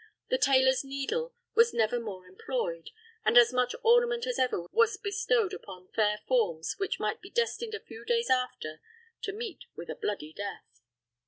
The tailor's needle was never more employed, and as much ornament as ever was bestowed upon fair forms which might be destined a few days after to meet with a bloody death.